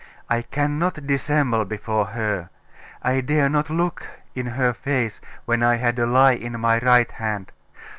I cannot dissemble before her. I dare not look in her face when I had a lie in my right hand....